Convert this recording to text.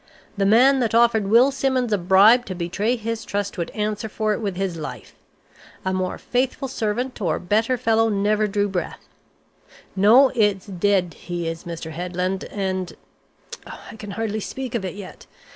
The man that offered Will Simmons a bribe to betray his trust would answer for it with his life. A more faithful servant, or better fellow never drew breath. No it's dead he is, Mr. Headland, and I can hardly speak of it yet!